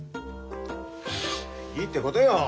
いいってことよ。